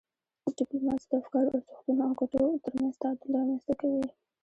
ډیپلوماسي د افکارو، ارزښتونو او ګټو ترمنځ تعادل رامنځته کوي.